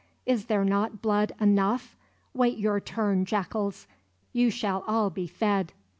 Is there not blood enough? Wait your turn, jackals; you shall all be fed!"